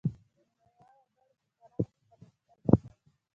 د مایا وګړو په کرنه کې پرمختګ وکړ.